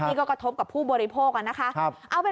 นี่ก็กระทบกับผู้บริโภคนะคะ